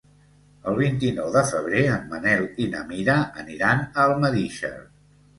El vint-i-nou de febrer en Manel i na Mira aniran a Almedíxer.